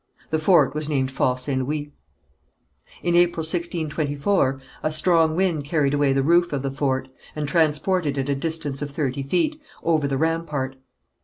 The fort was named Fort St. Louis. In April 1624, a strong wind carried away the roof of the fort, and transported it a distance of thirty feet, over the rampart.